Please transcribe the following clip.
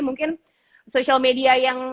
mungkin social media yang